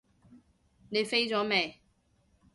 你飛咗未？